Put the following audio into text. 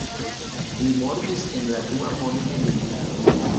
Li mortis en la Dua Mondmilito.